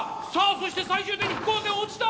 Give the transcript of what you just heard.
そして最終的に飛行船落ちた！